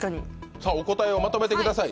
さぁお答えをまとめてください。